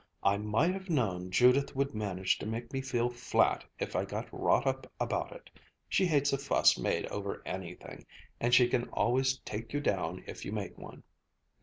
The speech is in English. "I might have known Judith would manage to make me feel flat if I got wrought up about it. She hates a fuss made over anything, and she can always take you down if you make one."